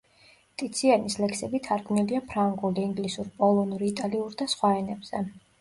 ტიციანის ლექსები თარგმნილია ფრანგულ, ინგლისურ, პოლონურ, იტალიურ და სხვა ენებზე.